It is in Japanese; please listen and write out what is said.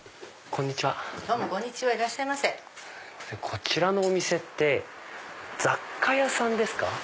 こちらのお店って雑貨屋さんですか？